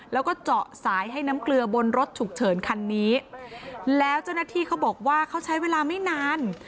แล้วก็เจาะสายให้น้ำเกลือบนรถฉุกเฉินคันนี้แล้วเจ้าหน้าที่เขาบอกว่าเขาใช้เวลาไม่นาน